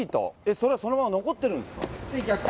それがそのまま残ってるんですか。